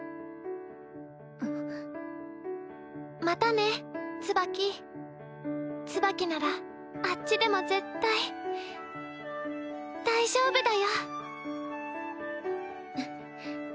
またねツバキツバキならあっちでも絶対大丈夫だよふっ。